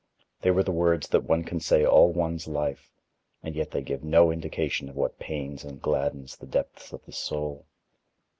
They were the words that one can say all one's life, and yet they give no indication of what pains and gladdens the depths of the soul.